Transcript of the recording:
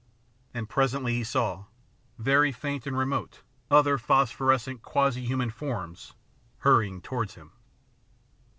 And presently he saw, very faint and remote, other phosphorescent quasi human forms hurrying towards him.